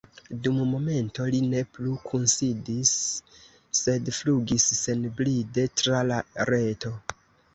Dum momento li ne plu kunsidis, sed flugis senbride tra la reto.